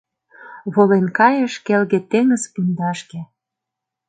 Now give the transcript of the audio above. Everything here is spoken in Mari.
Волен кайыш келге теҥыз пундашке.